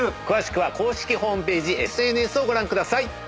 詳しくは公式ホームページＳＮＳをご覧ください。